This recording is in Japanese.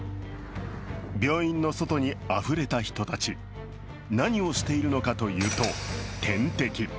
病院の外にあふれた人たち、何をしているのかというと点滴。